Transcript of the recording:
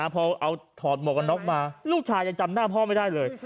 พอเอาถอดหมวกกันน็อกมาลูกชายยังจำหน้าพ่อไม่ได้เลย